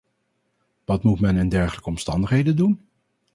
Wat moet men in dergelijke omstandigheden doen?